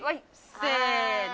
せの。